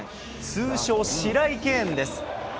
通称シライケーンです。